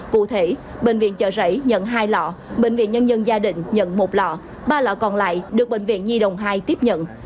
cụ thể bệnh viện chợ rẫy nhận hai lọ bệnh viện nhân dân gia định nhận một lọ ba lọ còn lại được bệnh viện nhi đồng hai tiếp nhận